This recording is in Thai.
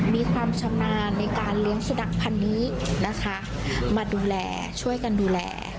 มีความชำนาญในการเลี้ยงสดักพันธุ์นี้นะคะมาดูแลช่วยกันดูแล